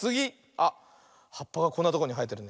あっはっぱがこんなとこにはえてるね。